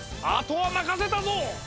あとはまかせたぞ！